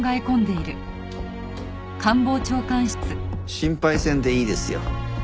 心配せんでいいですよ。